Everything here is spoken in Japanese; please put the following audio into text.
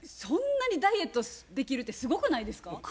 そんなにダイエットできるってすごくないですか？